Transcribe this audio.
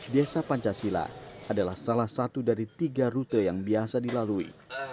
desa pancasila adalah salah satu dari tiga rute yang biasa dilalui